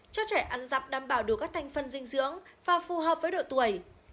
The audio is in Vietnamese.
cho trẻ ăn dọc đảm bảo đủ các thành phần dinh dưỡng và phù hợp với độ tuổi